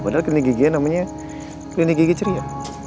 padahal klinik gigian namanya klinik gigi ceria